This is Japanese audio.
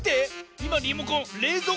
いまリモコンれいぞう